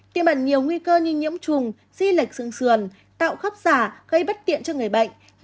tiêm bẩn nhiều nguy cơ như nhiễm trùng di lệch sừng sườn tạo khắp giả gây bất tiện cho người bệnh